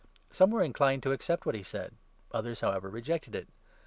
Some were inclined to accept what he said ; 24 others, however, rejected it.